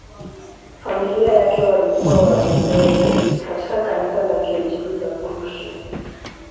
Familia yake walikuwa Walutheri katika Kanisa la Kiinjili la Prussia.